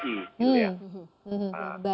baik pak tustam